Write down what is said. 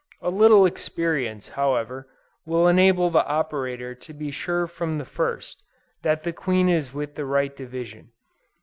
A little experience, however, will enable the operator to be sure from the first, that the queen is with the right division.